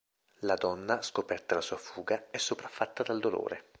La donna, scoperta la sua fuga, è sopraffatta dal dolore.